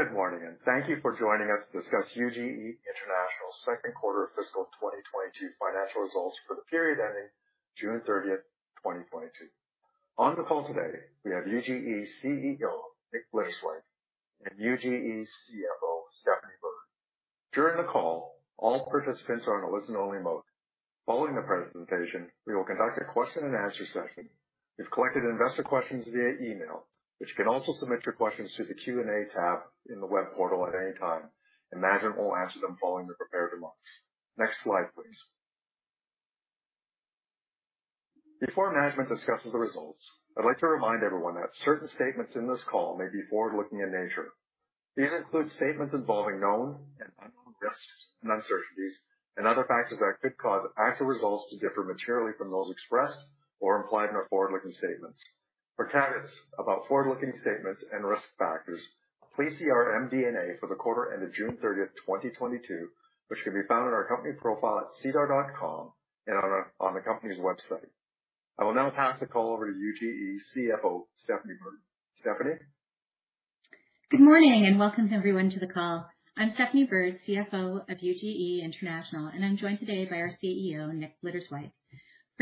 Good morning, and thank you for joining us to discuss UGE International's second quarter of fiscal 2022 financial results for the period ending June 30, 2022. On the call today we have UGE CEO, Nick Blitterswyk, and UGE CFO, Stephanie Bird. During the call, all participants are on a listen-only mode. Following the presentation, we will conduct a question and answer session. We've collected investor questions via email, but you can also submit your questions through the Q&A tab in the web portal at any time, and management will answer them following the prepared remarks. Next slide, please. Before management discusses the results, I'd like to remind everyone that certain statements in this call may be forward-looking in nature. These include statements involving known and unknown risks and uncertainties and other factors that could cause actual results to differ materially from those expressed or implied in our forward-looking statements. For caveats about forward-looking statements and risk factors, please see our MD&A for the quarter end of June 30, 2022, which can be found on our company profile at SEDAR and on the company's website. I will now pass the call over to UGE CFO, Stephanie Bird. Stephanie. Good morning and welcome everyone to the call. I'm Stephanie Bird, CFO of UGE International, and I'm joined today by our CEO, Nick Blitterswyk.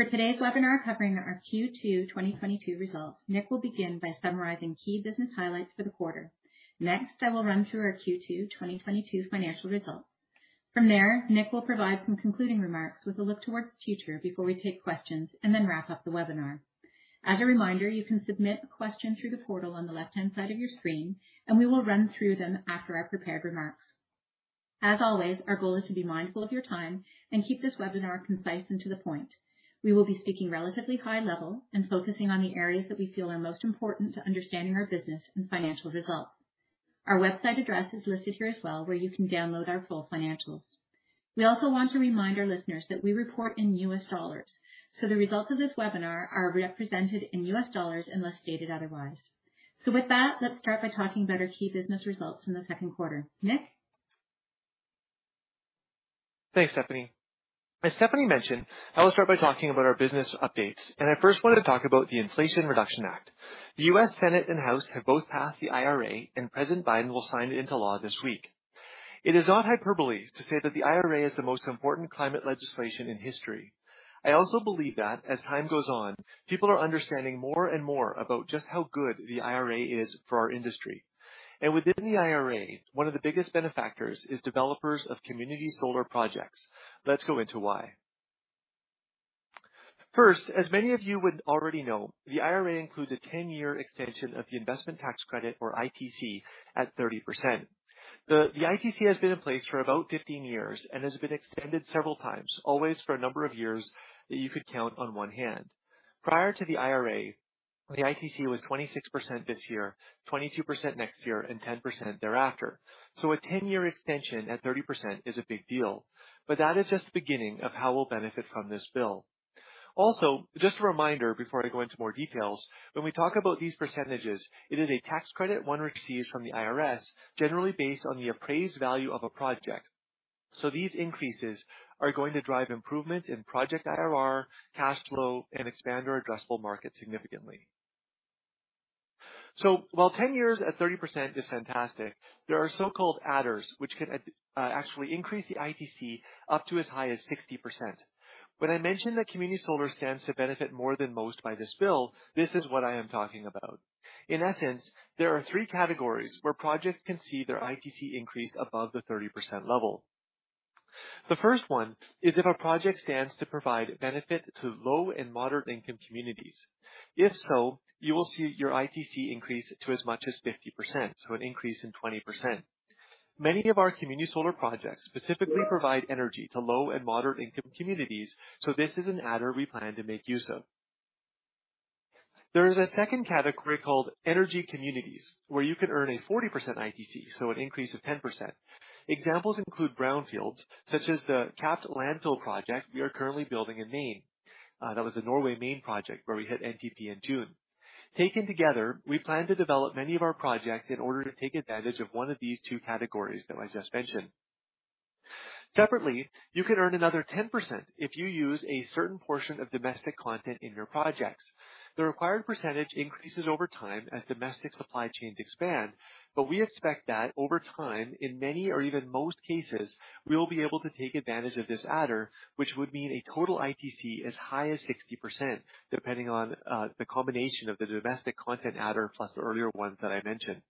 For today's webinar covering our Q2 2022 results, Nick will begin by summarizing key business highlights for the quarter. Next, I will run through our Q2 2022 financial results. From there, Nick will provide some concluding remarks with a look towards the future before we take questions and then wrap up the webinar. As a reminder, you can submit a question through the portal on the left-hand side of your screen, and we will run through them after our prepared remarks. As always, our goal is to be mindful of your time and keep this webinar concise and to the point. We will be speaking relatively high level and focusing on the areas that we feel are most important to understanding our business and financial results. Our website address is listed here as well, where you can download our full financials. We also want to remind our listeners that we report in US dollars, so the results of this webinar are represented in US dollars unless stated otherwise. With that, let's start by talking about our key business results in the second quarter. Nick? Thanks, Stephanie. As Stephanie mentioned, I will start by talking about our business updates, and I first wanted to talk about the Inflation Reduction Act. The U.S. Senate and House have both passed the IRA, and President Biden will sign it into law this week. It is not hyperbole to say that the IRA is the most important climate legislation in history. I also believe that as time goes on, people are understanding more and more about just how good the IRA is for our industry. Within the IRA, one of the biggest benefactors is developers of community solar projects. Let's go into why. First, as many of you would already know, the IRA includes a 10-year extension of the investment tax credit, or ITC, at 30%. The ITC has been in place for about 15 years and has been extended several times, always for a number of years that you could count on one hand. Prior to the IRA, the ITC was 26% this year, 22% next year, and 10% thereafter. A 10-year extension at 30% is a big deal, but that is just the beginning of how we'll benefit from this bill. Also, just a reminder before I go into more details, when we talk about these percentages, it is a tax credit one receives from the IRS, generally based on the appraised value of a project. These increases are going to drive improvement in project IRR, cash flow, and expand our addressable market significantly. While 10 years at 30% is fantastic, there are so-called adders which can actually increase the ITC up to as high as 60%. When I mentioned that community solar stands to benefit more than most by this bill, this is what I am talking about. In essence, there are three categories where projects can see their ITC increase above the 30% level. The first one is if a project stands to provide benefit to low and moderate income communities. If so, you will see your ITC increase to as much as 50%, so an increase in 20%. Many of our community solar projects specifically provide energy to low and moderate income communities, so this is an adder we plan to make use of. There is a second category called energy communities, where you can earn a 40% ITC, so an increase of 10%. Examples include brownfields such as the capped landfill project we are currently building in Maine. That was the Norway, Maine project where we hit NTP in June. Taken together, we plan to develop many of our projects in order to take advantage of one of these two categories that I just mentioned. Separately, you can earn another 10% if you use a certain portion of domestic content in your projects. The required percentage increases over time as domestic supply chains expand, but we expect that over time, in many or even most cases, we will be able to take advantage of this adder, which would mean a total ITC as high as 60%, depending on the combination of the domestic content adder plus the earlier ones that I mentioned.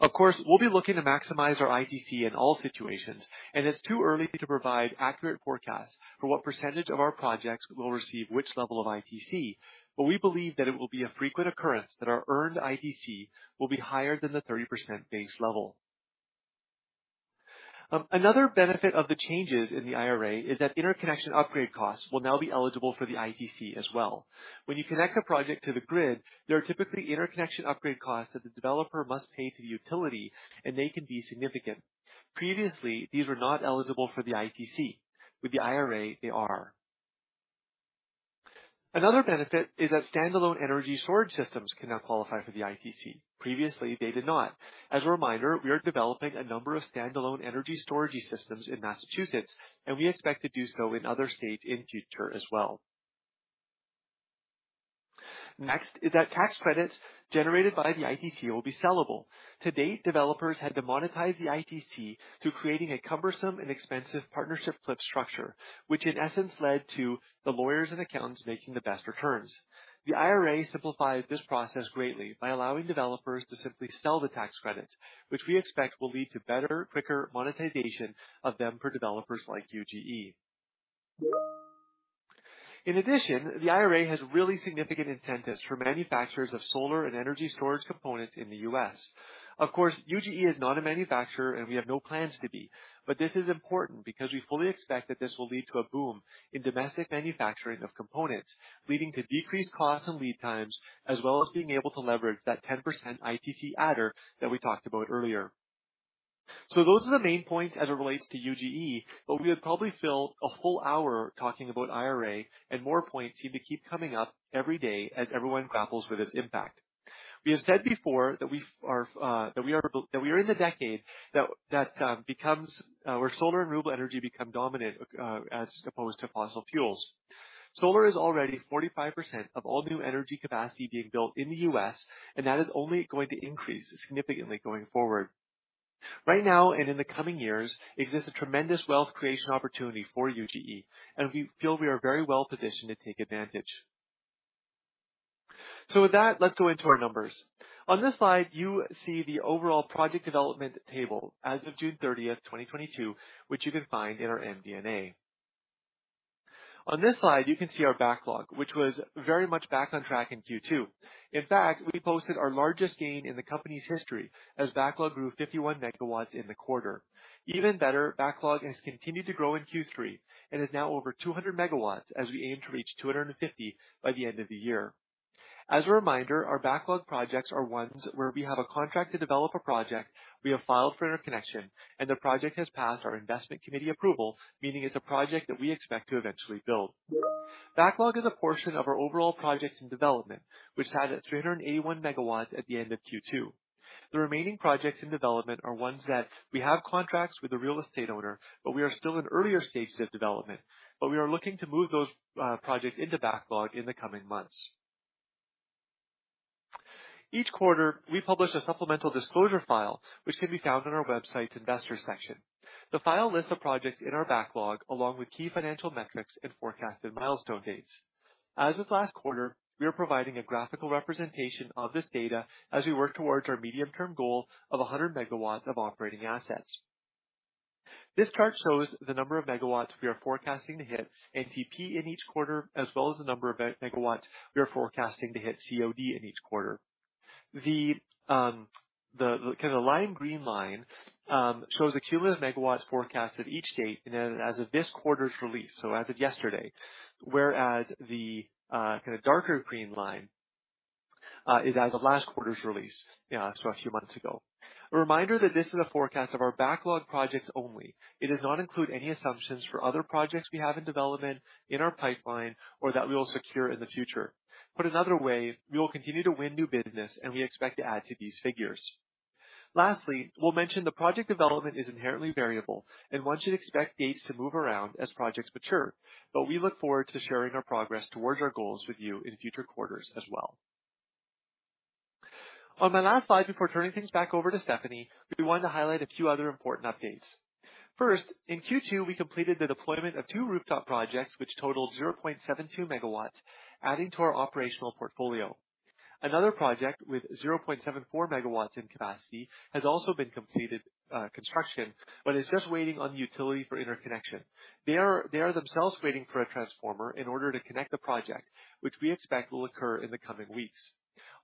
Of course, we'll be looking to maximize our ITC in all situations, and it's too early to provide accurate forecasts for what percentage of our projects will receive which level of ITC, but we believe that it will be a frequent occurrence that our earned ITC will be higher than the 30% base level. Another benefit of the changes in the IRA is that interconnection upgrade costs will now be eligible for the ITC as well. When you connect a project to the grid, there are typically interconnection upgrade costs that the developer must pay to the utility, and they can be significant. Previously, these were not eligible for the ITC. With the IRA, they are. Another benefit is that standalone energy storage systems can now qualify for the ITC. Previously, they did not. As a reminder, we are developing a number of standalone energy storage systems in Massachusetts, and we expect to do so in other states in future as well. Next is that tax credits generated by the ITC will be sellable. To date, developers had to monetize the ITC through creating a cumbersome and expensive partnership flip structure, which in essence led to the lawyers and accountants making the best returns. The IRA simplifies this process greatly by allowing developers to simply sell the tax credits, which we expect will lead to better, quicker monetization of them for developers like UGE. In addition, the IRA has really significant incentives for manufacturers of solar and energy storage components in the U.S. Of course, UGE is not a manufacturer and we have no plans to be. This is important because we fully expect that this will lead to a boom in domestic manufacturing of components, leading to decreased costs and lead times, as well as being able to leverage that 10% ITC adder that we talked about earlier. Those are the main points as it relates to UGE, but we would probably fill a whole hour talking about IRA, and more points seem to keep coming up every day as everyone grapples with its impact. We have said before that we are in the decade that becomes where solar and renewable energy become dominant, as opposed to fossil fuels. Solar is already 45% of all new energy capacity being built in the U.S., and that is only going to increase significantly going forward. Right now and in the coming years exists a tremendous wealth creation opportunity for UGE, and we feel we are very well positioned to take advantage. With that, let's go into our numbers. On this slide, you see the overall project development table as of June 30, 2022, which you can find in our MD&A. On this slide, you can see our backlog, which was very much back on track in Q2. In fact, we posted our largest gain in the company's history as backlog grew 51 megawatts in the quarter. Even better, backlog has continued to grow in Q3 and is now over 200 megawatts as we aim to reach 250 by the end of the year. As a reminder, our backlog projects are ones where we have a contract to develop a project, we have filed for interconnection, and the project has passed our investment committee approval, meaning it's a project that we expect to eventually build. Backlog is a portion of our overall projects in development, which sat at 381 megawatts at the end of Q2. The remaining projects in development are ones that we have contracts with the real estate owner, but we are still in earlier stages of development, but we are looking to move those projects into backlog in the coming months. Each quarter, we publish a supplemental disclosure file, which can be found on our website's investor section. The file lists the projects in our backlog along with key financial metrics and forecasted milestone dates. As of last quarter, we are providing a graphical representation of this data as we work towards our medium-term goal of 100 megawatts of operating assets. This chart shows the number of megawatts we are forecasting to hit NTP in each quarter, as well as the number of megawatts we are forecasting to hit COD in each quarter. The kind of lime green line shows the cumulative megawatts forecasted each date and then as of this quarter's release, so as of yesterday, whereas the kind of darker green line is as of last quarter's release, so a few months ago. A reminder that this is a forecast of our backlog projects only. It does not include any assumptions for other projects we have in development in our pipeline or that we will secure in the future. Put another way, we will continue to win new business, and we expect to add to these figures. Lastly, we'll mention the project development is inherently variable and one should expect dates to move around as projects mature. We look forward to sharing our progress towards our goals with you in future quarters as well. On my last slide before turning things back over to Stephanie, we want to highlight a few other important updates. First, in Q2, we completed the deployment of two rooftop projects, which totaled 0.72 megawatts, adding to our operational portfolio. Another project with 0.74 megawatts in capacity, construction has also been completed, but is just waiting on the utility for interconnection. They themselves are waiting for a transformer in order to connect the project, which we expect will occur in the coming weeks.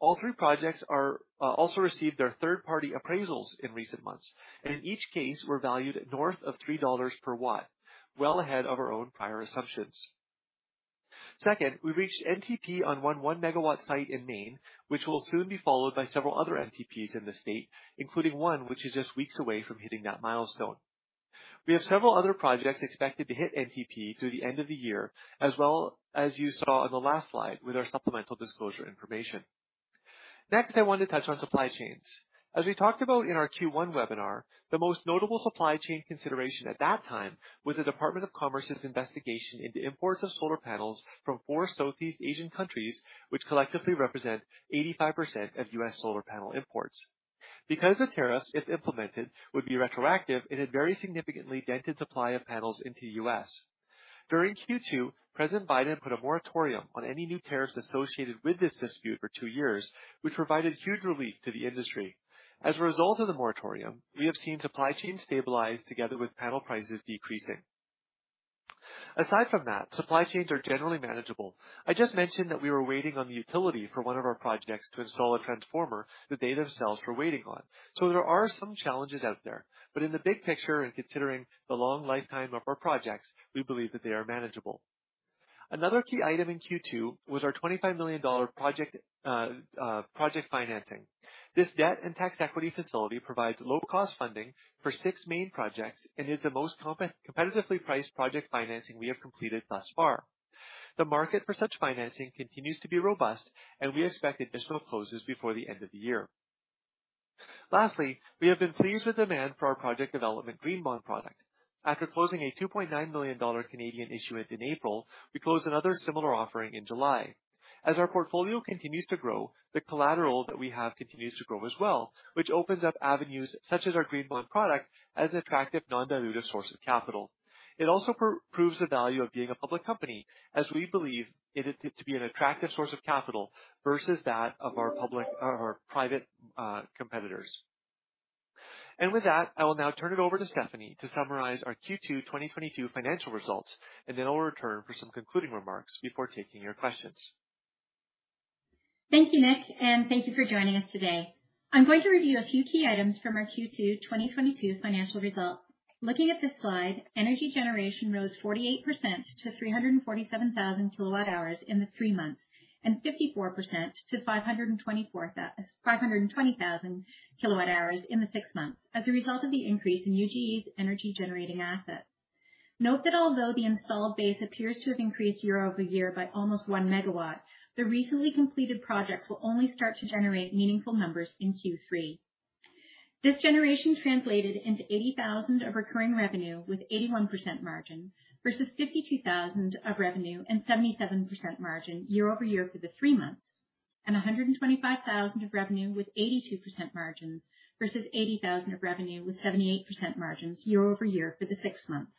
All three projects have also received their third-party appraisals in recent months, and in each case were valued north of $3 per watt, well ahead of our own prior assumptions. Second, we reached NTP on one 1-megawatt site in Maine, which will soon be followed by several other NTPs in the state, including one which is just weeks away from hitting that milestone. We have several other projects expected to hit NTP through the end of the year, as well as you saw on the last slide with our supplemental disclosure information. Next, I want to touch on supply chains. As we talked about in our Q1 webinar, the most notable supply chain consideration at that time was the Department of Commerce's investigation into imports of solar panels from 4 Southeast Asian countries, which collectively represent 85% of U.S. solar panel imports. Because the tariffs, if implemented, would be retroactive, it had very significantly dented supply of panels into U.S. During Q2, President Biden put a moratorium on any new tariffs associated with this dispute for two years, which provided huge relief to the industry. As a result of the moratorium, we have seen supply chains stabilize together with panel prices decreasing. Aside from that, supply chains are generally manageable. I just mentioned that we were waiting on the utility for one of our projects to install a transformer that they themselves were waiting on. There are some challenges out there, but in the big picture and considering the long lifetime of our projects, we believe that they are manageable. Another key item in Q2 was our $25 million project financing. This debt and tax equity facility provides low-cost funding for six main projects and is the most competitively priced project financing we have completed thus far. The market for such financing continues to be robust, and we expect additional closes before the end of the year. Lastly, we have been pleased with demand for our project development green bond product. After closing a 2.9 million Canadian dollars issuance in April, we closed another similar offering in July. As our portfolio continues to grow, the collateral that we have continues to grow as well, which opens up avenues such as our green bond product as an attractive non-dilutive source of capital. It also proves the value of being a public company as we believe it to be an attractive source of capital versus that of our private competitors. With that, I will now turn it over to Stephanie Bird to summarize our Q2 2022 financial results, and then I'll return for some concluding remarks before taking your questions. Thank you, Nick, and thank you for joining us today. I'm going to review a few key items from our Q2 2022 financial results. Looking at this slide, energy generation rose 48% to 347,000 kWh in the three months, and 54% to 520,000 kWh in the six months, as a result of the increase in UGE's energy generating assets. Note that although the installed base appears to have increased year-over-year by almost 1 MW, the recently completed projects will only start to generate meaningful numbers in Q3. This generation translated into $80,000 of recurring revenue with 81% margin versus $52,000 of revenue and 77% margin year-over-year for the three months, and $125,000 of revenue with 82% margins versus $80,000 of revenue with 78% margins year-over-year for the six months.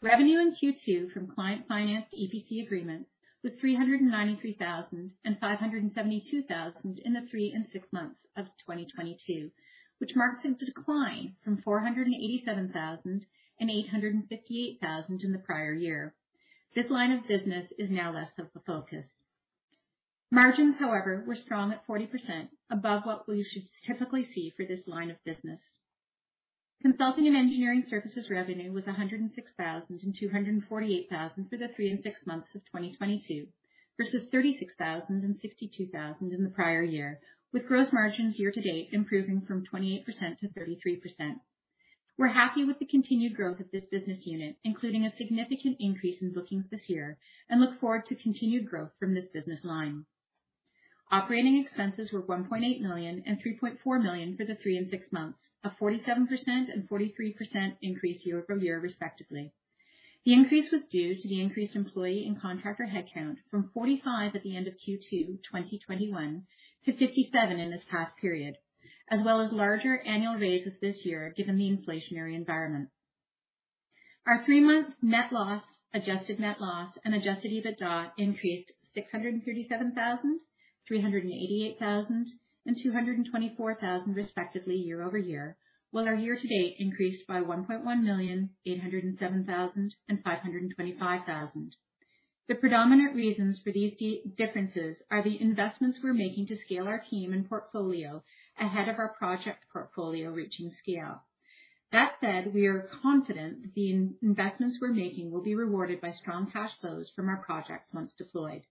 Revenue in Q2 from client-financed EPC agreements was $393,000 and $572,000 in the three and six months of 2022, which marks a decline from $487,000 and $858,000 in the prior year. This line of business is now less of a focus. Margins, however, were strong at 40% above what we should typically see for this line of business. Consulting and engineering services revenue was $106,000 and $248,000 for the three and six months of 2022 versus $36,000 and $62,000 in the prior year, with gross margins year to date improving from 28% to 33%. We're happy with the continued growth of this business unit, including a significant increase in bookings this year, and look forward to continued growth from this business line. Operating expenses were $1.8 million and $3.4 million for the three and six months, a 47% and 43% increase year-over-year, respectively. The increase was due to the increased employee and contractor headcount from 45 at the end of Q2 2021 to 57 in this past period, as well as larger annual raises this year, given the inflationary environment. Our three-month net loss, adjusted net loss, and Adjusted EBITDA increased $637 thousand, $388 thousand, and $224 thousand, respectively year over year, while our year to date increased by $1.1 million, $807 thousand, and $525 thousand. The predominant reasons for these differences are the investments we're making to scale our team and portfolio ahead of our project portfolio reaching scale. That said, we are confident the investments we're making will be rewarded by strong cash flows from our projects once deployed.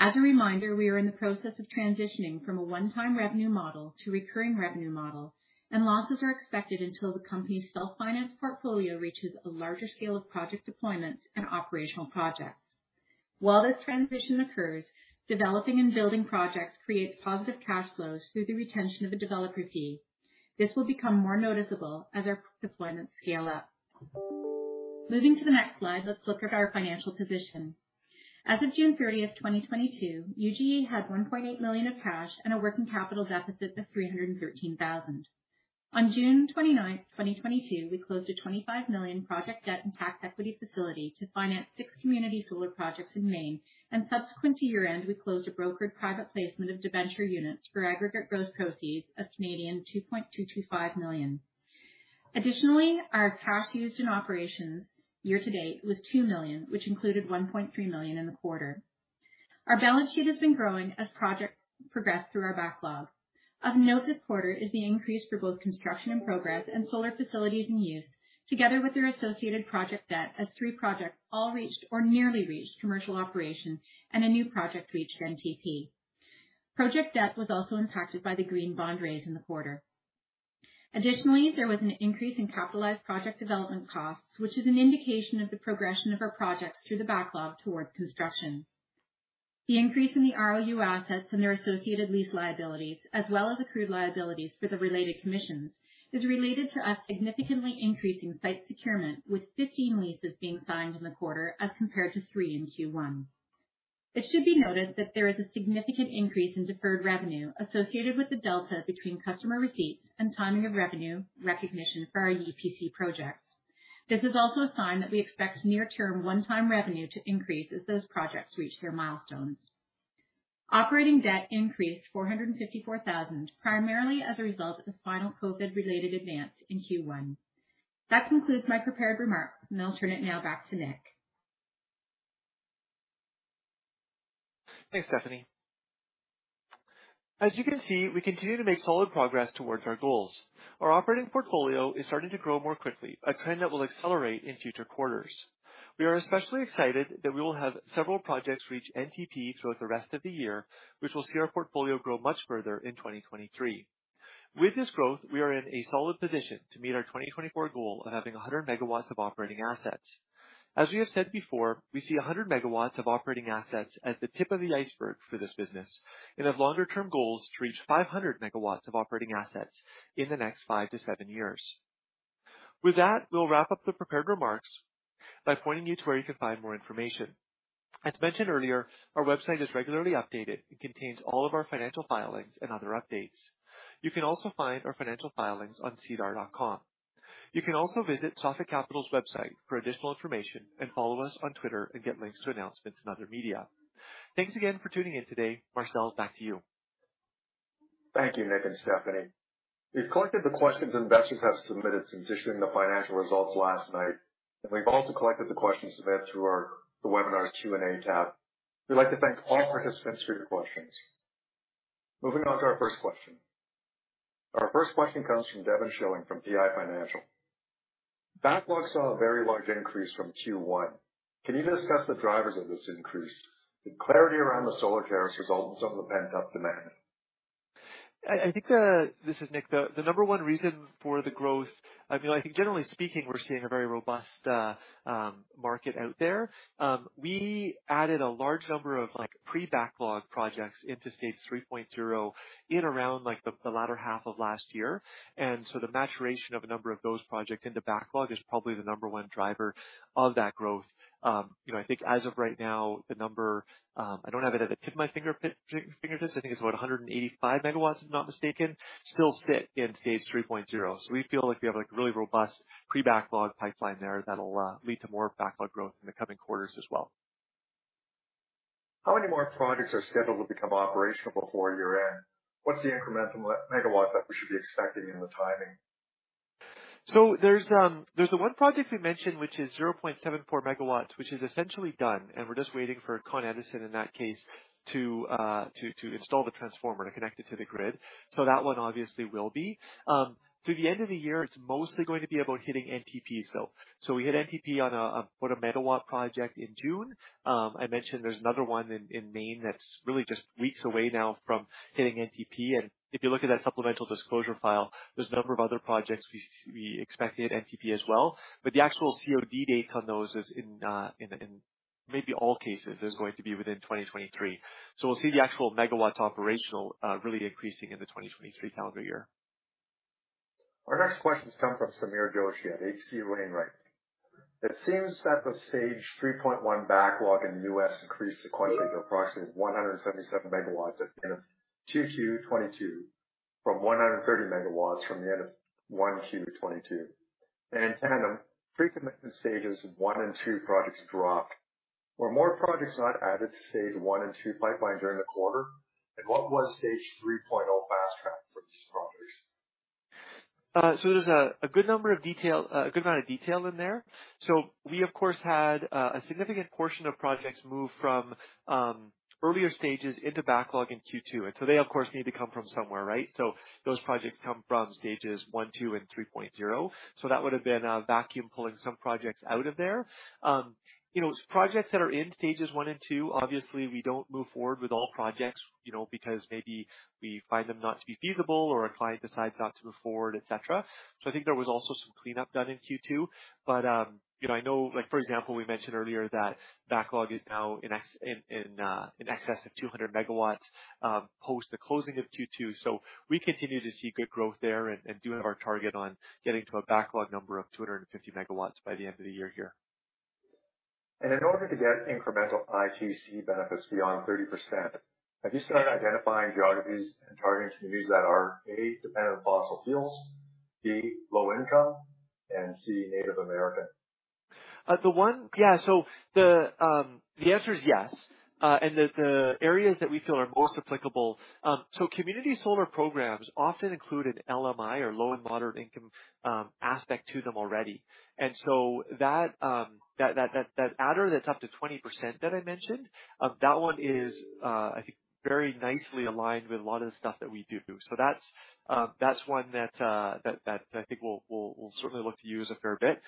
As a reminder, we are in the process of transitioning from a one-time revenue model to recurring revenue model, and losses are expected until the company's self-finance portfolio reaches a larger scale of project deployments and operational projects. While this transition occurs, developing and building projects creates positive cash flows through the retention of a developer fee. This will become more noticeable as our deployments scale up. Moving to the next slide, let's look at our financial position. As of June thirtieth, 2022, UGE had $1.8 million of cash and a working capital deficit of $313,000. On June twenty-ninth, 2022, we closed a $25 million project debt and tax equity facility to finance six community solar projects in Maine. Subsequent to year-end, we closed a brokered private placement of debenture units for aggregate gross proceeds of 2.225 million Canadian dollars. Additionally, our cash used in operations year to date was $2 million, which included $1.3 million in the quarter. Our balance sheet has been growing as projects progress through our backlog. Of note, this quarter is the increase for both construction in progress and solar facilities in use together with their associated project debt as 3 projects all reached or nearly reached commercial operation and a new project reached NTP. Project debt was also impacted by the Green Bonds raise in the quarter. Additionally, there was an increase in capitalized project development costs, which is an indication of the progression of our projects through the backlog towards construction. The increase in the ROU assets and their associated lease liabilities, as well as accrued liabilities for the related commissions, is related to us significantly increasing site procurement with 15 leases being signed in the quarter as compared to 3 in Q1. It should be noted that there is a significant increase in deferred revenue associated with the delta between customer receipts and timing of revenue recognition for our EPC projects. This is also a sign that we expect near-term one-time revenue to increase as those projects reach their milestones. Operating debt increased $454,000, primarily as a result of the final COVID-related advance in Q1. That concludes my prepared remarks, and I'll turn it now back to Nick. Thanks, Stephanie. As you can see, we continue to make solid progress towards our goals. Our operating portfolio is starting to grow more quickly, a trend that will accelerate in future quarters. We are especially excited that we will have several projects reach NTP throughout the rest of the year, which will see our portfolio grow much further in 2023. With this growth, we are in a solid position to meet our 2024 goal of having 100 megawatts of operating assets. As we have said before, we see 100 megawatts of operating assets as the tip of the iceberg for this business, and have longer term goals to reach 500 megawatts of operating assets in the next 5 to 7 years. With that, we'll wrap up the prepared remarks by pointing you to where you can find more information. As mentioned earlier, our website is regularly updated and contains all of our financial filings and other updates. You can also find our financial filings on SEDAR.com. You can also visit Sophic Capital's website for additional information and follow us on Twitter and get links to announcements and other media. Thanks again for tuning in today. Marcel, back to you. Thank you, Nick and Stephanie. We've collected the questions investors have submitted since issuing the financial results last night, and we've also collected the questions submitted through the webinar's Q&A tab. We'd like to thank all participants for your questions. Moving on to our first question. Our first question comes from Devon Shilling from PI Financial. Backlog saw a very large increase from Q1. Can you discuss the drivers of this increase? Did clarity around the solar tariffs result in some of the pent-up demand? I think this is Nick. The number one reason for the growth, I feel like generally speaking, we're seeing a very robust market out there. We added a large number of like pre-backlog projects into stage 3.0 in around like the latter half of last year. The maturation of a number of those projects into backlog is probably the number one driver of that growth. You know, I think as of right now, the number I don't have it at the tip of my fingertips. I think it's about 185 megawatts, if I'm not mistaken, still sit in stage 3.0. We feel like we have like a really robust pre-backlog pipeline there that'll lead to more backlog growth in the coming quarters as well. How many more projects are scheduled to become operational before year-end? What's the incremental megawatts that we should be expecting in the timing? There's the one project we mentioned, which is 0.74 megawatts, which is essentially done, and we're just waiting for Con Edison in that case to install the transformer to connect it to the grid. That one obviously will be. Through the end of the year, it's mostly going to be about hitting NTPs, though. We hit NTP on about a megawatt project in June. I mentioned there's another one in Maine that's really just weeks away now from hitting NTP. If you look at that supplemental disclosure file, there's a number of other projects we expect to hit NTP as well. The actual COD date on those is in maybe all cases going to be within 2023. We'll see the actual megawatts operational, really increasing in the 2023 calendar year. Our next questions come from Samir Joshi at H.C. Wainwright & Co. It seems that the Stage 3.1 backlog in the U.S. increased sequentially to approximately 177 megawatts at the end of 2Q 2022, from 130 megawatts from the end of 1Q 2022. In tandem, pre-commitment Stages 1 and 2 projects dropped. Were more projects not added to Stage 1 and 2 pipeline during the quarter? And what was Stage 3.0 fast track for these projects? There's a good amount of detail in there. We of course had a significant portion of projects move from earlier stages into backlog in Q2. They of course need to come from somewhere, right? Those projects come from stages 1, 2, and 3.0. That would have been a vacuum pulling some projects out of there. You know, projects that are in stages 1 and 2, obviously we don't move forward with all projects, you know, because maybe we find them not to be feasible or a client decides not to move forward, et cetera. I think there was also some cleanup done in Q2. you know, I know like for example, we mentioned earlier that backlog is now in excess of 200 megawatts, post the closing of Q2. We continue to see good growth there and doing our target on getting to a backlog number of 250 megawatts by the end of the year here. In order to get incremental ITC benefits beyond 30%, have you started identifying geographies and targeting communities that are A, dependent on fossil fuels, B, low income, and C, Native American? The answer is yes. The areas that we feel are most applicable. Community solar programs often include an LMI or low and moderate income aspect to them already. That adder that's up to 20% that I mentioned, that one is, I think very nicely aligned with a lot of the stuff that we do. That's one that I think we'll certainly look to use a fair bit.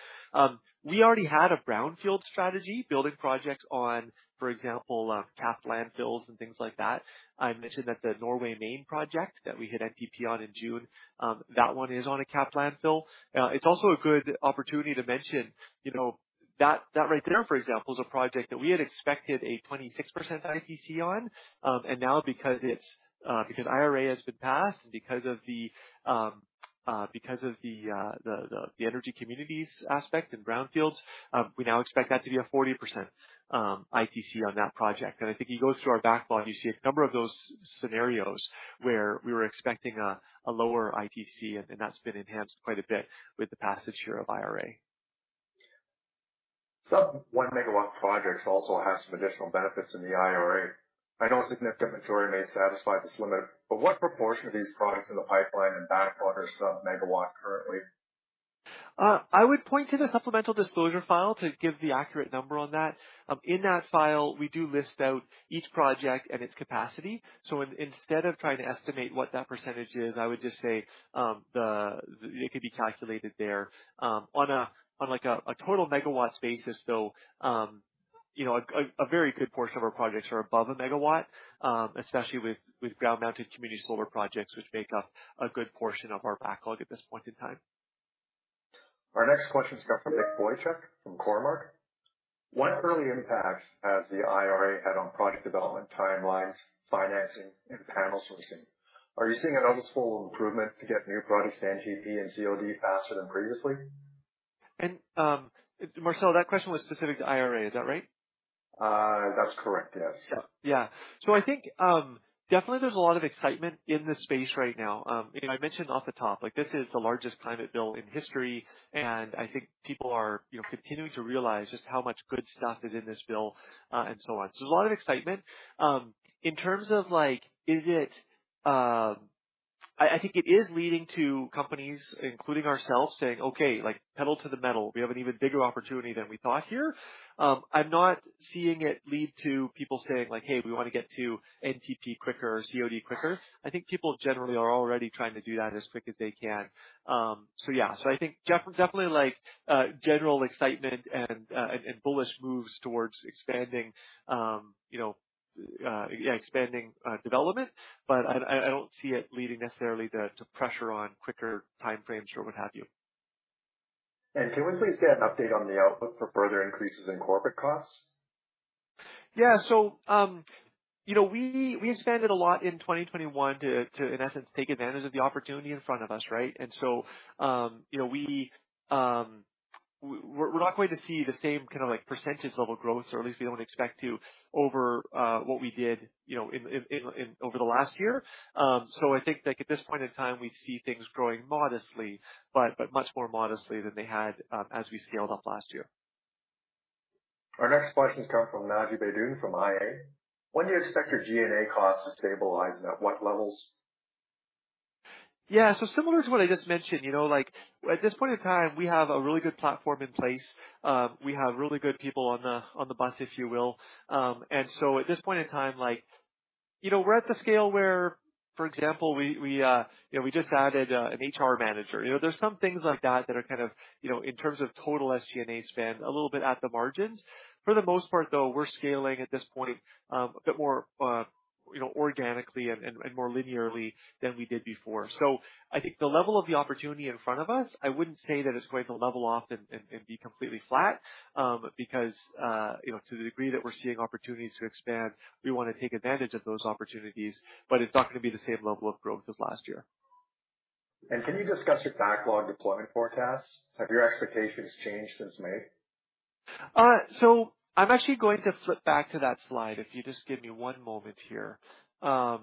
We already had a brownfield strategy building projects on, for example, capped landfills and things like that. I mentioned that the Norway, Maine project that we hit NTP on in June, that one is on a capped landfill. It's also a good opportunity to mention, you know, that right there, for example, is a project that we had expected a 26% ITC on. Now because IRA has been passed and because of the energy communities aspect and brownfields, we now expect that to be a 40% ITC on that project. I think if you go through our backlog, you see a number of those scenarios where we were expecting a lower ITC, and that's been enhanced quite a bit with the passage here of IRA. Sub-1-megawatt projects also have some additional benefits in the IRA. I know a significant majority may satisfy this limit, but what proportion of these projects in the pipeline and backlog are sub-1-megawatt currently? I would point to the supplemental disclosure file to give the accurate number on that. In that file, we do list out each project and its capacity. Instead of trying to estimate what that percentage is, I would just say it could be calculated there, on, like, a total megawatts basis, though. You know, a very good portion of our projects are above a megawatt, especially with ground-mounted community solar projects, which make up a good portion of our backlog at this point in time. Our next question comes from Nick Boychuk from Cormark. What early impact has the IRA had on project development timelines, financing and panel sourcing? Are you seeing a noticeable improvement to get new projects to NTP and COD faster than previously? Marcel, that question was specific to IRA. Is that right? That's correct. Yes. Yeah. Yeah. I think definitely there's a lot of excitement in this space right now. You know, I mentioned off the top, like this is the largest climate bill in history, and I think people are, you know, continuing to realize just how much good stuff is in this bill, and so on. There's a lot of excitement. In terms of like, is it? I think it is leading to companies, including ourselves, saying, "Okay, like, pedal to the metal. We have an even bigger opportunity than we thought here." I'm not seeing it lead to people saying like, "Hey, we wanna get to NTP quicker or COD quicker." I think people generally are already trying to do that as quick as they can. Yeah. I think definitely like, general excitement and bullish moves towards expanding, you know, yeah, expanding, development. But I don't see it leading necessarily to pressure on quicker timeframes or what have you. Can we please get an update on the outlook for further increases in corporate costs? Yeah, you know, we expanded a lot in 2021 to in essence take advantage of the opportunity in front of us, right? You know, we're not going to see the same kind of like percentage level growth, or at least we don't expect to, over what we did, you know, in over the last year. I think like at this point in time, we see things growing modestly, but much more modestly than they had, as we scaled up last year. Our next questions come from Naji Baydoun from IA. When do you expect your G&A costs to stabilize, and at what levels? Yeah. Similar to what I just mentioned, you know, like at this point in time, we have a really good platform in place. We have really good people on the bus, if you will. At this point in time, like, you know, we're at the scale where, for example, we just added an HR manager. You know, there's some things like that that are kind of, you know, in terms of total SG&A spend, a little bit at the margins. For the most part, though, we're scaling at this point a bit more, you know, organically and more linearly than we did before. I think the level of the opportunity in front of us, I wouldn't say that it's going to level off and be completely flat, because, you know, to the degree that we're seeing opportunities to expand, we wanna take advantage of those opportunities, but it's not gonna be the same level of growth as last year. Can you discuss your backlog deployment forecasts? Have your expectations changed since May? I'm actually going to flip back to that slide if you just give me one moment here. Okay,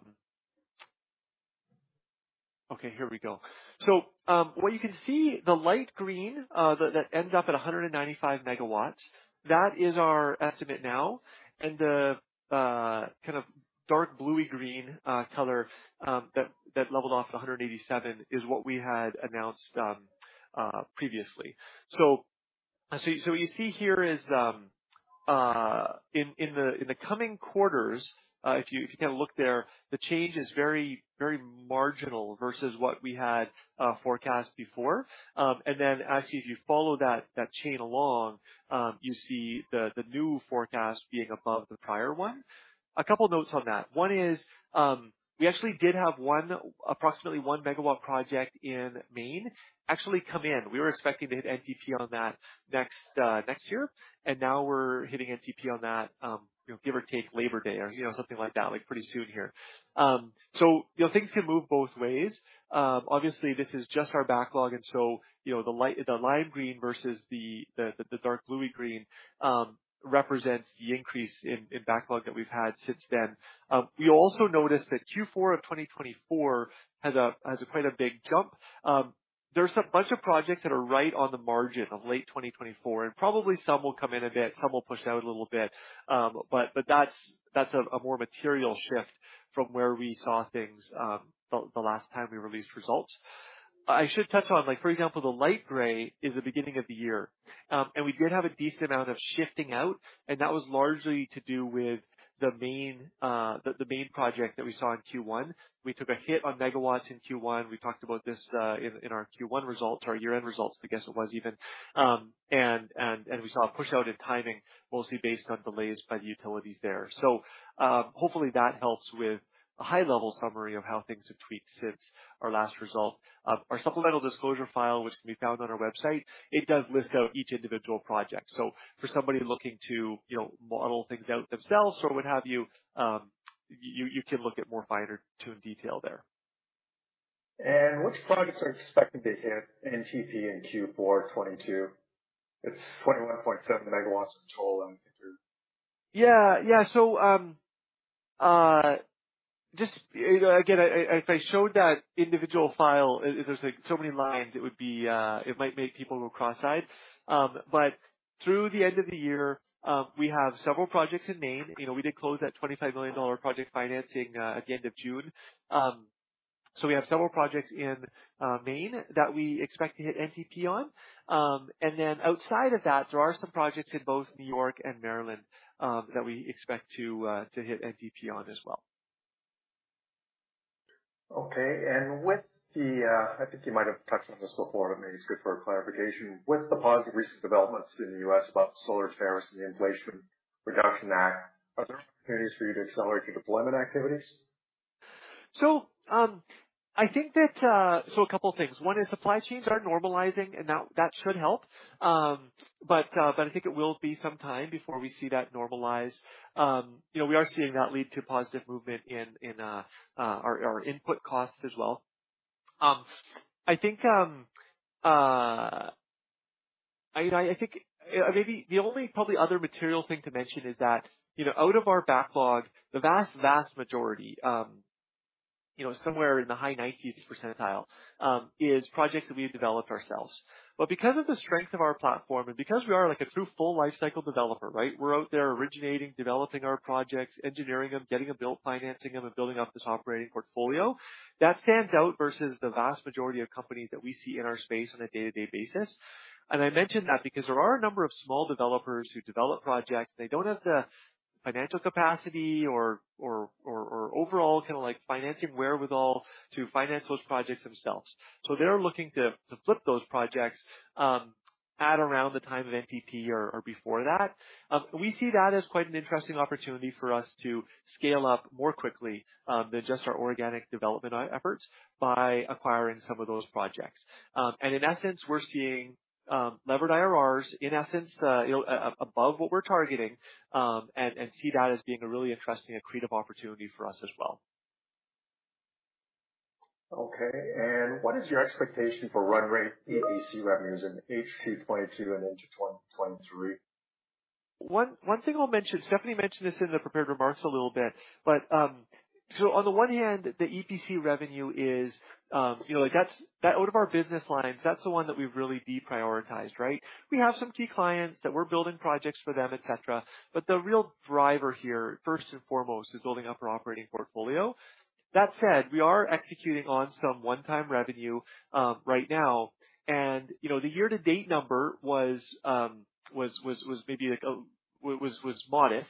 here we go. What you can see, the light green that ends up at 195 megawatts, that is our estimate now. The kind of dark bluey-green color that leveled off at 187 is what we had announced previously. What you see here is in the coming quarters, if you kind of look there, the change is very marginal versus what we had forecast before. Actually, if you follow that chain along, you see the new forecast being above the prior one. A couple notes on that. One is, we actually did have one, approximately one megawatt project in Maine actually come in. We were expecting to hit NTP on that next year, and now we're hitting NTP on that, you know, give or take Labor Day or, you know, something like that, like pretty soon here. You know, things can move both ways. Obviously this is just our backlog, you know, the lime green versus the dark bluey green represents the increase in backlog that we've had since then. We also noticed that Q4 of 2024 has quite a big jump. There's a bunch of projects that are right on the margin of late 2024, and probably some will come in a bit, some will push out a little bit. That's a more material shift from where we saw things the last time we released results. I should touch on, like, for example, the light gray is the beginning of the year. We did have a decent amount of shifting out, and that was largely to do with the main project that we saw in Q1. We took a hit on megawatts in Q1. We talked about this in our Q1 results or our year-end results, I guess it was even. We saw a push out in timing, mostly based on delays by the utilities there. Hopefully that helps with a high-level summary of how things have tweaked since our last result. Our supplemental disclosure file, which can be found on our website, it does list out each individual project. For somebody looking to, you know, model things out themselves or what have you can look at more fine-tuned detail there. Which projects are expecting to hit NTP in Q4 2022? It's 21.7 megawatts in total. Yeah. Just, you know, again, if I showed that individual file, there's like so many lines it would be it might make people go cross-eyed. Through the end of the year, we have several projects in Maine. You know, we did close that $25 million project financing at the end of June. We have several projects in Maine that we expect to hit NTP on. Outside of that, there are some projects in both New York and Maryland that we expect to hit NTP on as well. Okay. With the, I think you might have touched on this before, but maybe it's good for a clarification. With the positive recent developments in the U.S. about solar tariffs and the Inflation Reduction Act, are there opportunities for you to accelerate your deployment activities? A couple of things. One is supply chains are normalizing, and that should help. I think it will be some time before we see that normalized. You know, we are seeing that lead to positive movement in our input costs as well. I think maybe the only probably other material thing to mention is that, you know, out of our backlog, the vast majority, you know, somewhere in the high 90s percentile, is projects that we have developed ourselves. Because of the strength of our platform and because we are like a true full lifecycle developer, right? We're out there originating, developing our projects, engineering them, getting them built, financing them and building up this operating portfolio. That stands out versus the vast majority of companies that we see in our space on a day-to-day basis. I mention that because there are a number of small developers who develop projects, and they don't have the financial capacity or overall kind of like financing wherewithal to finance those projects themselves. They're looking to flip those projects at around the time of NTP or before that. We see that as quite an interesting opportunity for us to scale up more quickly than just our organic development efforts by acquiring some of those projects. In essence, we're seeing levered IRRs, in essence, you know, above what we're targeting, and see that as being a really interesting accretive opportunity for us as well. Okay. What is your expectation for run rate EPC revenues in H2 2022 and into 2023? One thing I'll mention. Stephanie mentioned this in the prepared remarks a little bit, but on the one hand, the EPC revenue is, you know, like that's that out of our business lines, that's the one that we've really deprioritized, right? We have some key clients that we're building projects for them, et cetera. The real driver here, first and foremost, is building up our operating portfolio. That said, we are executing on some one-time revenue, right now. You know, the year-to-date number was modest,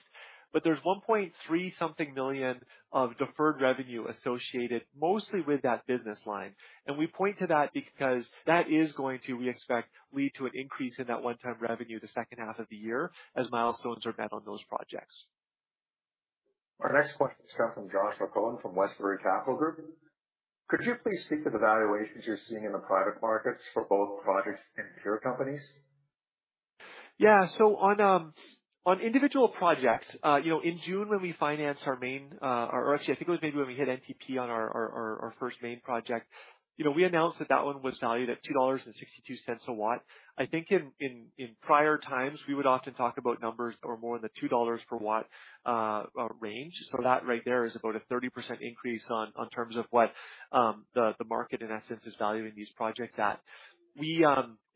but there's $1.3 million of deferred revenue associated mostly with that business line. We point to that because that is going to, we expect, lead to an increase in that one-time revenue the second half of the year as milestones are met on those projects. Our next question comes from Josh McCullen from Westbury Capital Group. Could you please speak to the valuations you're seeing in the private markets for both projects and pure companies? Yeah. On individual projects, you know, in June, I think it was maybe when we hit NTP on our first main project. You know, we announced that that one was valued at $2.62 a watt. I think in prior times, we would often talk about numbers or more in the $2 per watt range. That right there is about a 30% increase in terms of what the market, in essence, is valuing these projects at.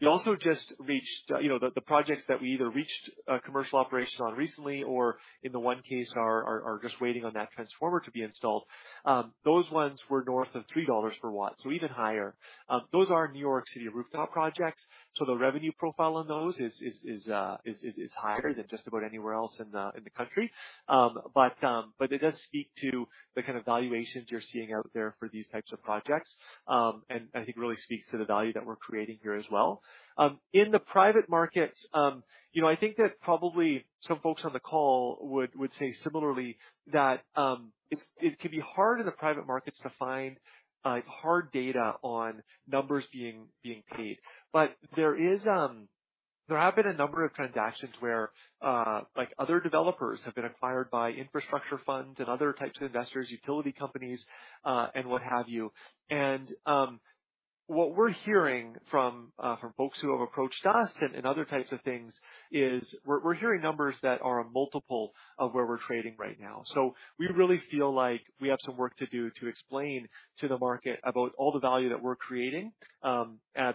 We also just reached, you know, the projects that we either reached commercial operation on recently or in the one case are just waiting on that transformer to be installed. Those ones were north of $3 per watt, so even higher. Those are New York City rooftop projects, so the revenue profile on those is higher than just about anywhere else in the country. It does speak to the kind of valuations you're seeing out there for these types of projects, and I think really speaks to the value that we're creating here as well. In the private markets, you know, I think that probably some folks on the call would say similarly that it can be hard in the private markets to find hard data on numbers being paid. There have been a number of transactions where like other developers have been acquired by infrastructure funds and other types of investors, utility companies and what have you. What we're hearing from folks who have approached us and other types of things is we're hearing numbers that are a multiple of where we're trading right now. We really feel like we have some work to do to explain to the market about all the value that we're creating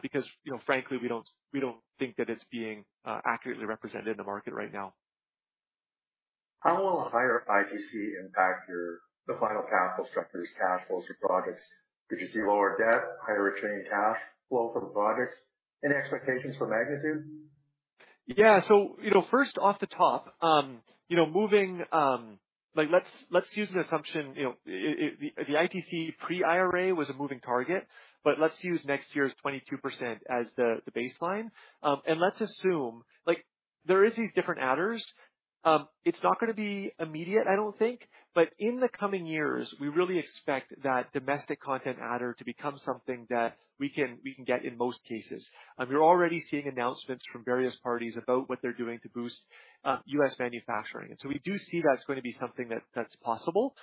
because you know frankly we don't think that it's being accurately represented in the market right now. How will a higher ITC impact the final capital structure's cash flows for projects? Could you see lower debt, higher retaining cash flow from projects? Any expectations for magnitude? Yeah, you know, first off the top, you know, Like, let's use the assumption, you know, the ITC pre-IRA was a moving target, but let's use next year's 22% as the baseline. Let's assume, like, there is these different adders. It's not gonna be immediate, I don't think. In the coming years, we really expect that domestic content adder to become something that we can get in most cases. You're already seeing announcements from various parties about what they're doing to boost U.S. manufacturing. We do see that's going to be something that's possible.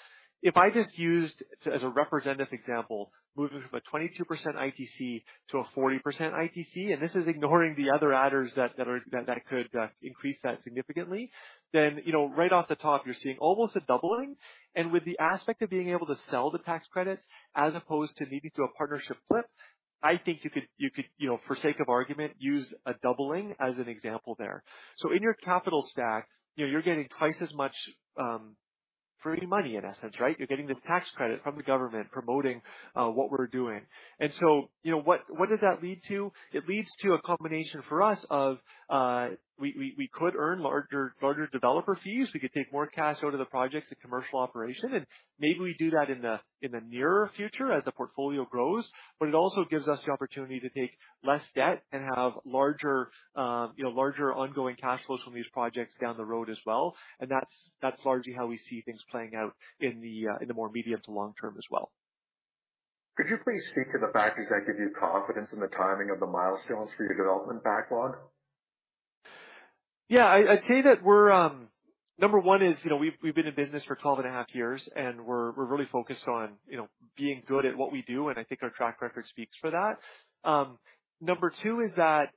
If I just used, as a representative example, moving from a 22% ITC to a 40% ITC, and this is ignoring the other adders that could increase that significantly. You know, right off the top, you're seeing almost a doubling. With the aspect of being able to sell the tax credits as opposed to maybe through a partnership flip, I think you could, you know, for sake of argument, use a doubling as an example there. In your capital stack, you know, you're getting twice as much free money in essence, right? You're getting this tax credit from the government promoting what we're doing. You know, what does that lead to? It leads to a combination for us of we could earn larger developer fees. We could take more cash out of the projects at commercial operation, and maybe we do that in the nearer future as the portfolio grows. It also gives us the opportunity to take less debt and have larger, you know, larger ongoing cash flows from these projects down the road as well. That's largely how we see things playing out in the more medium to long-term as well. Could you please speak to the factors that give you confidence in the timing of the milestones for your development backlog? Yeah. I'd say that we're... Number one is, you know, we've been in business for 12.5 years, and we're really focused on, you know, being good at what we do, and I think our track record speaks for that. Number two is that,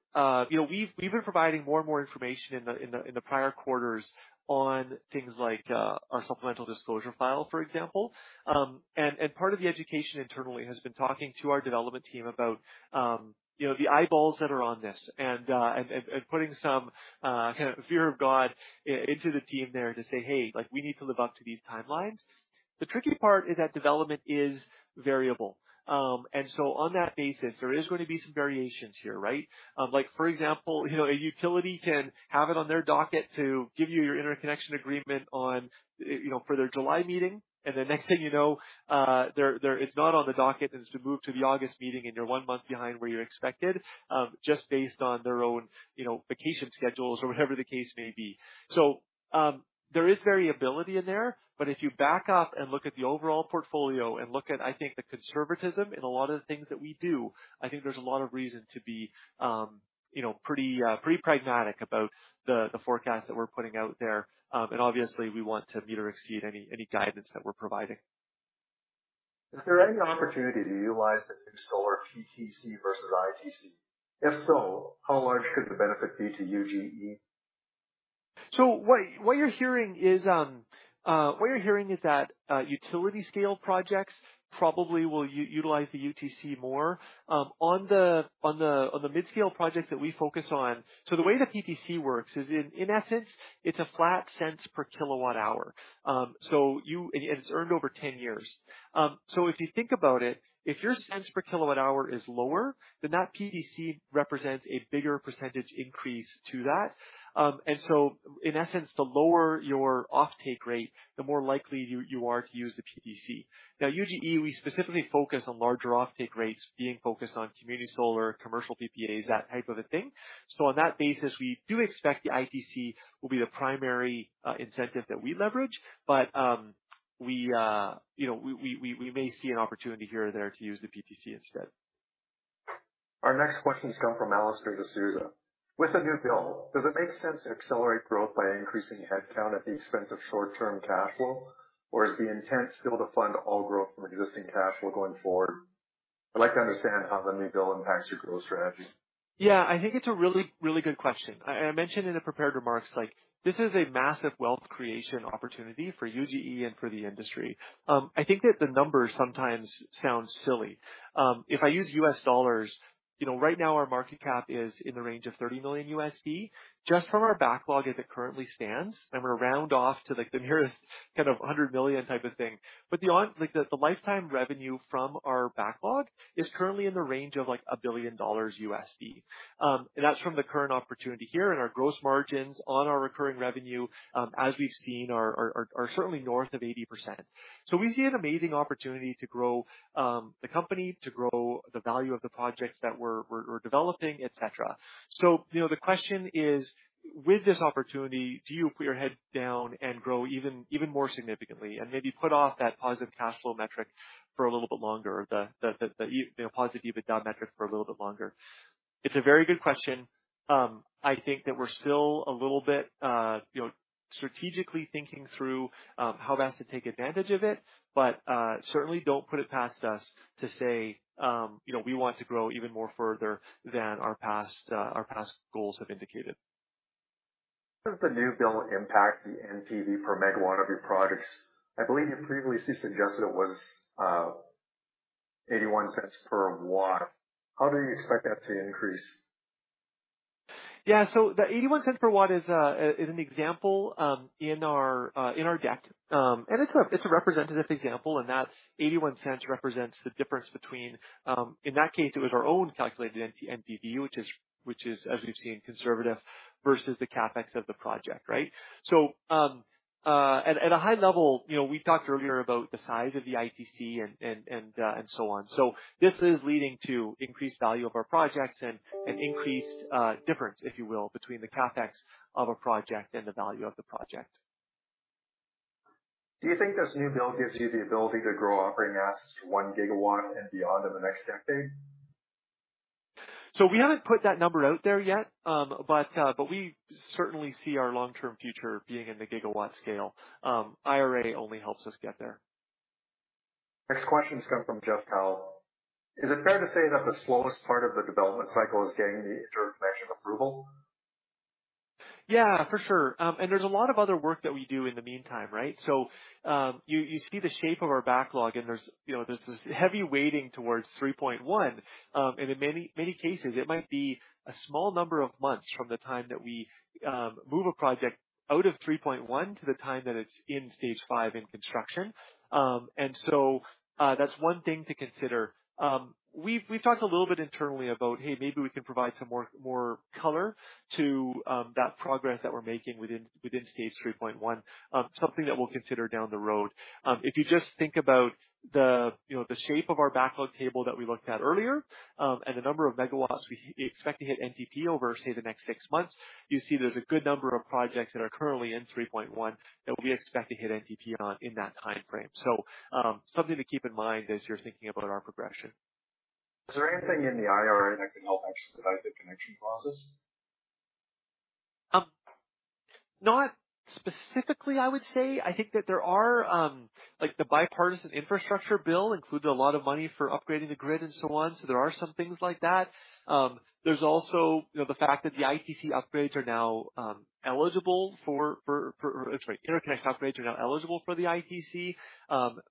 you know, we've been providing more and more information in the prior quarters on things like our supplemental disclosure file, for example. And part of the education internally has been talking to our development team about, you know, the eyeballs that are on this. And putting some kind of fear of God into the team there to say, "Hey, like, we need to live up to these timelines." The tricky part is that development is variable. On that basis, there is going to be some variations here, right? Like for example, you know, a utility can have it on their docket to give you your interconnection agreement on, you know, for their July meeting. The next thing you know, it's not on the docket and it's to move to the August meeting, and you're one month behind where you're expected, just based on their own, you know, vacation schedules or whatever the case may be. There is variability in there, but if you back up and look at the overall portfolio and look at, I think, the conservatism in a lot of the things that we do, I think there's a lot of reason to be, you know, pretty pragmatic about the forecast that we're putting out there. Obviously we want to meet or exceed any guidance that we're providing. Is there any opportunity to utilize the new solar PTC versus ITC? If so, how large could the benefit be to UGE? What you're hearing is that utility scale projects probably will utilize the PTC more. On the mid-scale projects that we focus on, the way the PTC works is in essence it's a flat cents per kilowatt hour. It's earned over 10 years. If you think about it, if your cents per kilowatt hour is lower, then that PTC represents a bigger percentage increase to that. In essence, the lower your offtake rate, the more likely you are to use the PTC. Now, UGE, we specifically focus on larger offtake rates being focused on community solar, commercial PPAs, that type of a thing. On that basis, we do expect the ITC will be the primary incentive that we leverage. You know, we may see an opportunity here or there to use the PTC instead. Our next questions come from Alistair D'Souza. With the new bill, does it make sense to accelerate growth by increasing headcount at the expense of short-term cash flow? Or is the intent still to fund all growth from existing cash flow going forward? I'd like to understand how the new bill impacts your growth strategy. Yeah. I think it's a really, really good question. I mentioned in the prepared remarks, like this is a massive wealth creation opportunity for UGE and for the industry. I think that the numbers sometimes sound silly. If I use US dollars, you know, right now our market cap is in the range of $30 million. Just from our backlog as it currently stands, I'm gonna round off to like the nearest kind of hundred million type of thing. Like, the lifetime revenue from our backlog is currently in the range of like $1 billion. That's from the current opportunity here. Our gross margins on our recurring revenue, as we've seen are certainly north of 80%. We see an amazing opportunity to grow the company, to grow the value of the projects that we're developing, et cetera. You know, the question is, with this opportunity, do you put your head down and grow even more significantly and maybe put off that positive cash flow metric for a little bit longer? The you know, positive EBITDA metric for a little bit longer? It's a very good question. I think that we're still a little bit you know, strategically thinking through how best to take advantage of it. Certainly don't put it past us to say, you know, we want to grow even more further than our past goals have indicated. Does the new bill impact the NPV per megawatt of your projects? I believe you previously suggested it was $0.81 per watt. How do you expect that to increase? Yeah. The $0.81 per watt is an example in our deck. It's a representative example, in that $0.81 represents the difference between, in that case, it was our own calculated NPV, which is, as we've seen, conservative versus the CapEx of the project, right? At a high level, you know, we talked earlier about the size of the ITC and so on. This is leading to increased value of our projects and increased difference, if you will, between the CapEx of a project and the value of the project. Do you think this new bill gives you the ability to grow operating assets to 1 gigawatt and beyond in the next decade? We haven't put that number out there yet. But we certainly see our long-term future being in the gigawatt scale. IRA only helps us get there. Next question has come from Jeff Cowell. Is it fair to say that the slowest part of the development cycle is getting the interconnection approval? Yeah, for sure. There's a lot of other work that we do in the meantime, right? You see the shape of our backlog and there's, you know, there's this heavy weighting towards 3.1. In many cases, it might be a small number of months from the time that we move a project out of 3.1 to the time that it's in stage 5 in construction. That's one thing to consider. We've talked a little bit internally about, hey, maybe we can provide some more color to that progress that we're making within stage 3.1. Something that we'll consider down the road. If you just think about the, you know, the shape of our backlog table that we looked at earlier, and the number of megawatts we expect to hit NTP over, say, the next six months, you see there's a good number of projects that are currently in 3.1 that we expect to hit NTP on in that timeframe. Something to keep in mind as you're thinking about our progression. Is there anything in the IRA that can help actually drive the connection process? Not specifically, I would say. I think that there are, like, the Bipartisan Infrastructure Law includes a lot of money for upgrading the grid and so on, so there are some things like that. There's also, you know, the fact that interconnection upgrades are now eligible for the ITC.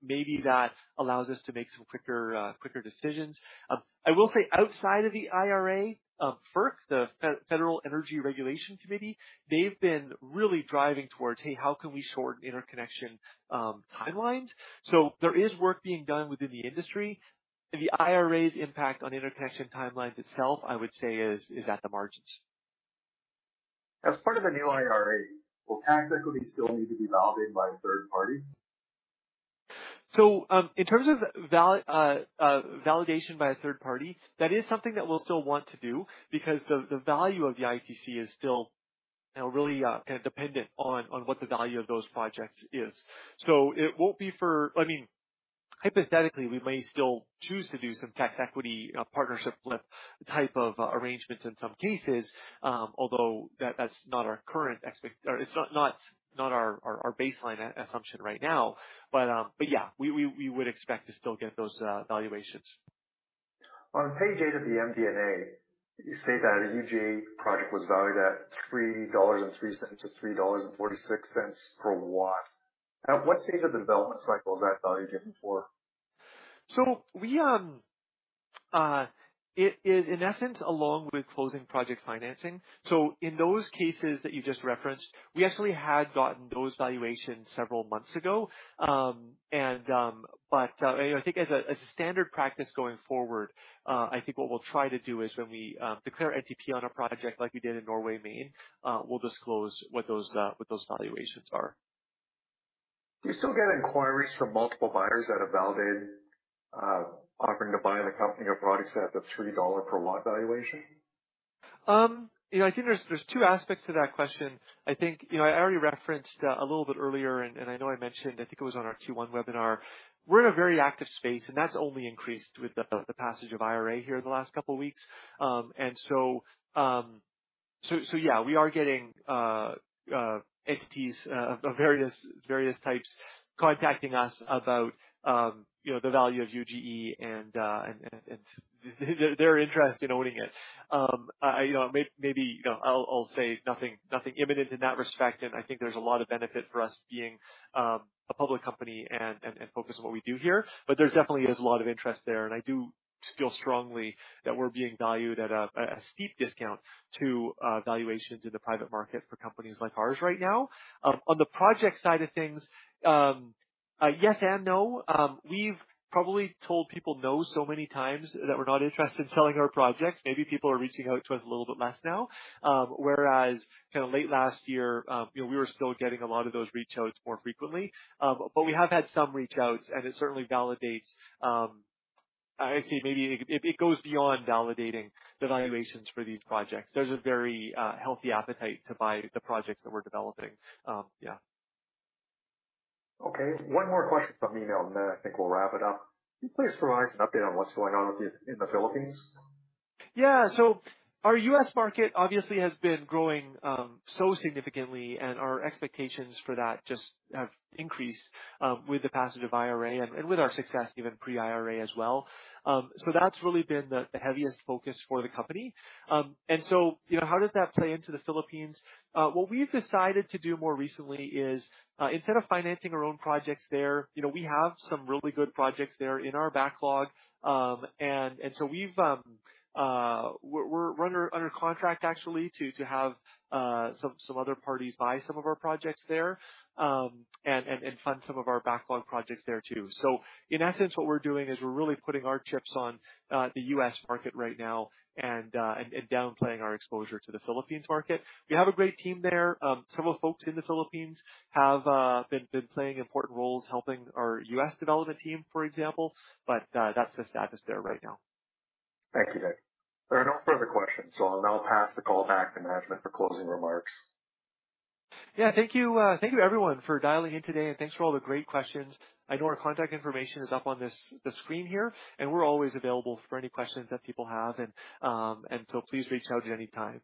Maybe that allows us to make some quicker decisions. I will say outside of the IRA, FERC, the Federal Energy Regulatory Commission, they've been really driving towards, "Hey, how can we shorten interconnection timelines?" There is work being done within the industry. The IRA's impact on interconnection timelines itself, I would say is at the margins. As part of the new IRA, will tax equity still need to be validated by a third party? In terms of validation by a third party, that is something that we'll still want to do because the value of the ITC is still, you know, really kinda dependent on what the value of those projects is. It won't be for, I mean, hypothetically, we may still choose to do some tax equity, partnership flip type of arrangements in some cases. Although that's not our baseline assumption right now. But yeah, we would expect to still get those valuations. On page 8 of the MD&A, you state that a UGE project was valued at $3.03-$3.46 per watt. At what stage of the development cycle is that value given for? It is in essence along with closing project financing. In those cases that you just referenced, we actually had gotten those valuations several months ago. You know, I think as a standard practice going forward, I think what we'll try to do is when we declare NTP on a project like we did in Norway, Maine, we'll disclose what those valuations are. Do you still get inquiries from multiple buyers that have validated, offering to buy the company or products that have $3 per watt valuation? You know, I think there's two aspects to that question. I think, you know, I already referenced a little bit earlier, and I know I mentioned, I think it was on our Q1 webinar, we're in a very active space, and that's only increased with the passage of IRA here in the last couple weeks. Yeah. We are getting entities of various types contacting us about, you know, the value of UGE and their interest in owning it. You know, maybe, you know, I'll say nothing imminent in that respect. I think there's a lot of benefit for us being a public company and focused on what we do here. There's definitely a lot of interest there, and I do feel strongly that we're being valued at a steep discount to valuations in the private market for companies like ours right now. On the project side of things, yes and no. We've probably told people no so many times that we're not interested in selling our projects. Maybe people are reaching out to us a little bit less now, whereas kinda late last year, you know, we were still getting a lot of those reach outs more frequently. We have had some reach outs, and it certainly validates. Actually, maybe it goes beyond validating the valuations for these projects. There's a very healthy appetite to buy the projects that we're developing. Yeah. Okay. One more question from me, though, and then I think we'll wrap it up. Can you please provide us an update on what's going on with the in the Philippines? Yeah. Our U.S. market obviously has been growing so significantly, and our expectations for that just have increased with the passage of IRA and with our success even pre-IRA as well. That's really been the heaviest focus for the company. You know, how does that play into the Philippines? What we've decided to do more recently is instead of financing our own projects there, you know, we have some really good projects there in our backlog. We're under contract actually to have some other parties buy some of our projects there, and fund some of our backlog projects there too. In essence, what we're doing is we're really putting our chips on the US market right now and downplaying our exposure to the Philippines market. We have a great team there. Some of the folks in the Philippines have been playing important roles helping our US development team, for example, but that's the status there right now. Thank you, Nick. There are no further questions, so I'll now pass the call back to management for closing remarks. Yeah. Thank you everyone for dialing in today, and thanks for all the great questions. I know our contact information is up on this screen here, and we're always available for any questions that people have, and so please reach out at any time.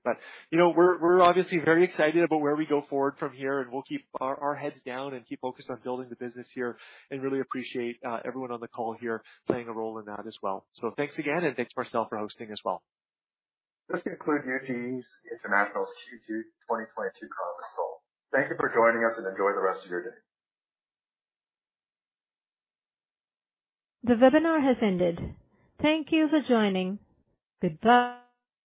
You know, we're obviously very excited about where we go forward from here, and we'll keep our heads down and keep focused on building the business here, and really appreciate everyone on the call here playing a role in that as well. Thanks again, and thanks Marcel for hosting as well. This concludes UGE International's Q2 2022 conference call. Thank you for joining us, and enjoy the rest of your day. The webinar has ended. Thank you for joining. Goodbye.